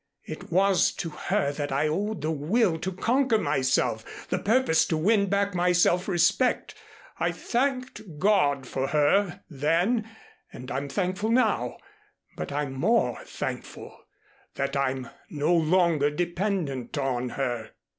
It was to her that I owed the will to conquer myself, the purpose to win back my self respect. I thanked God for her then and I'm thankful now, but I'm more thankful that I'm no longer dependent on her."